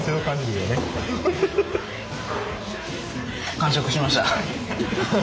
完食しました。